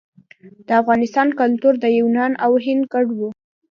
د افغانستان کلتور د یونان او هند ګډ و